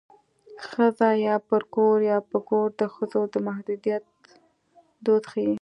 ښځه یا پر کور یا په ګور د ښځو د محدودیت دود ښيي